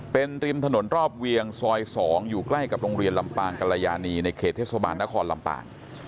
เป็นริมถนนรอบเวียงซอย๒อยู่ใกล้กับโรงเรียนลำปางกรยานีในเขตเทศบาลนครลำปาง